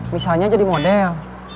misalnya jadi model